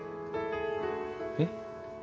えっ？